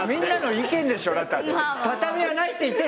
畳はないって言った。